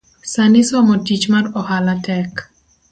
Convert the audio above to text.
Sani somo tich mar ohala tek